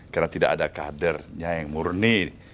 karena tidak ada kadernya yang murni